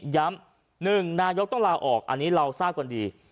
ย้ำหนึ่งนายกต้องลาออกอันนี้เราทราบก่อนดี